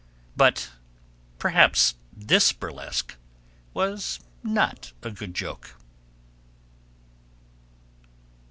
But perhaps this burlesque was not a good joke.